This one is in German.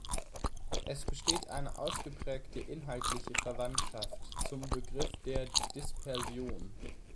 Es besteht eine ausgeprägte inhaltliche Verwandtschaft zum Begriff der Dispersion.